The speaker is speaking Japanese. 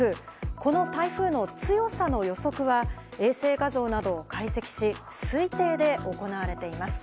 この台風の強さの予測は、衛星画像などを解析し、推定で行われています。